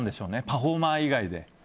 パフォーマー以外で。